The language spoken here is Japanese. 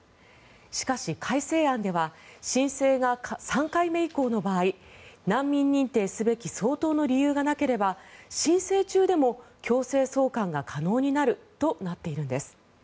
しかし、改正案では申請が３回目以降の場合難民認定すべき相当の理由がなければ申請中でも強制送還が可能になるとなっているんです。